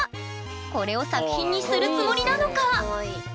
これを作品にするつもりなのか？